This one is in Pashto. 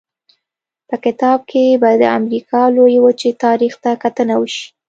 په کتاب کې به د امریکا لویې وچې تاریخ ته کتنه وشي.